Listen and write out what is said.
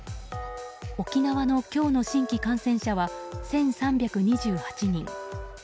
沖縄の今日の新規感染者は１３２８人。